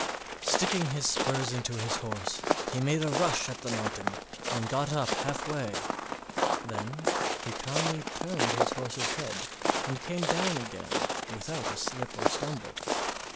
Sticking his spurs into his horse he made a rush at the mountain and got up halfway, then he calmly turned his horse's head and came down again without a slip or stumble.